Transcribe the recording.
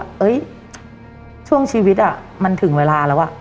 เฮ้ยช่วงชีวิตมันถึงเวลาแล้วว่ะ